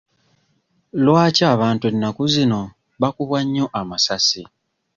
Lwaki abantu ennaku zino bakubwa nnyo amasasi?